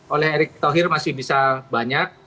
oleh erick thohir masih bisa banyak